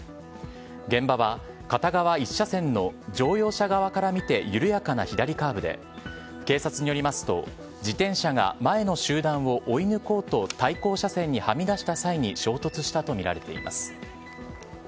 現場は片側１車線の乗用車側から見て緩やかな左カーブで警察によりますと自転車が前の集団を追い抜こうと対向車線にはみ出した際に衝突したとみられています。